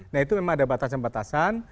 nah itu memang ada batasan batasan